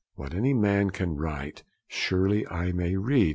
'What any man can write, surely I may read!'